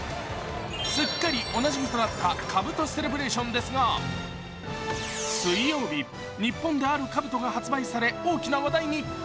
すっかりおなじみとなったかぶとセレブレーションですが水曜日、日本で、あるかぶとが発売され大きな話題に。